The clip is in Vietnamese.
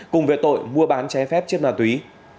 cùng việc tội mua bán trái phép chiếc ma túy